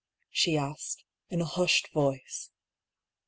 she asked, in a hushed voice.